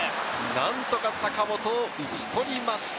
宮城が坂本を打ち取りました。